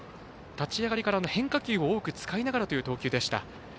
立ち上がりから変化球を多く使いながらという投球でした。